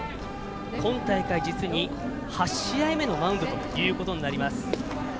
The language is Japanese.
今大会、実に８試合目のマウンドということになります。